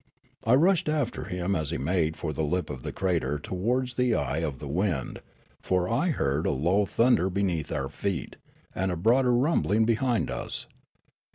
I rushed after him as he made for the lip of the crater towards the eye of the wind, for I heard a low thunder beneath our feet, and a louder rumbling behind us.